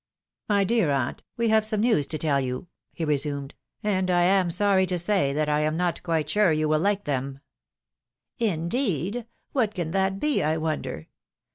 " My dear aunt, we have some news to tell you," he re sumed ;" and I am sorry to say that I am not quite sure you will like them." " Indeed ! what can that be, I wonder